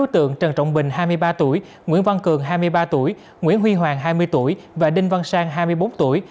hai mươi ba tuổi nguyễn văn cường hai mươi ba tuổi nguyễn huy hoàng hai mươi tuổi và đinh văn sang hai mươi bốn tuổi